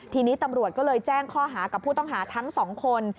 ทีนี้ตำรวจก็เลยแจ้งข้อหากับผู้ต้องหาทั้งสองคน